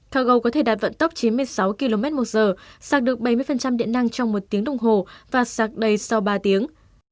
cargo có thể đạt vận tốc chín mươi sáu km một giờ sạc được bảy mươi điện năng trong một tiếng đồng hồ và sạc đầy sau ba tiếng